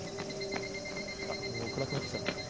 もう暗くなってきちゃった。